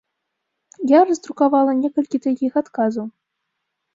Я раздрукавала некалькі такіх адказаў.